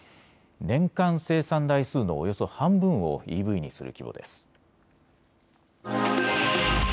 年間生産台数のおよそ半分をＥＶにする規模です。